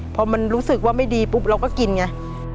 พอมันรู้สึกว่าไม่ดีปุ๊บเราก็กินไง